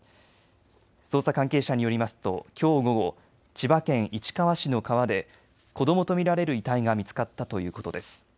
捜査関係者によりますときょう午後、千葉県市川市の川で子どもと見られる遺体が見つかったということです。